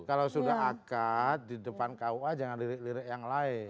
kalau sudah akad di depan kua jangan lirik lirik yang lain